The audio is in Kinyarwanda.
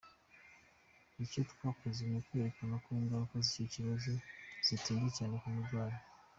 Icyo twakoze ni ukwerekana ko ingaruka z’icyo kibazo zitinda cyane ku murwayi .